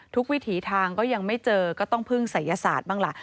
วิถีทางก็ยังไม่เจอก็ต้องพึ่งศัยศาสตร์บ้างล่ะ